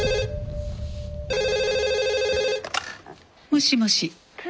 もしもし。